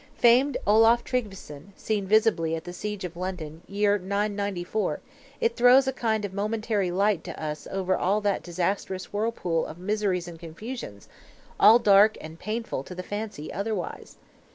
Famed Olaf Tryggveson, seen visibly at the siege of London, year 994, it throws a kind of momentary light to us over that disastrous whirlpool of miseries and confusions, all dark and painful to the fancy otherwise!